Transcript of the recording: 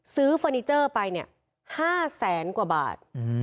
ซื้อเฟอร์นิเจอร์ไป๕แสนกว่าบาท